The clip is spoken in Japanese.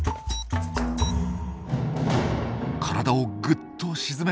体をぐっと沈めました。